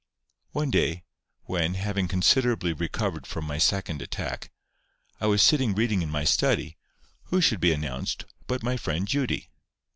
One day when, having considerably recovered from my second attack, I was sitting reading in my study, who should be announced but my friend Judy!